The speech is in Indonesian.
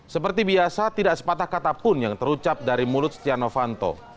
seperti biasa tidak sepatah kata pun yang terucap dari mulut setia novanto